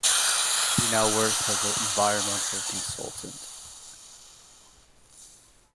She now works as an environmental consultant.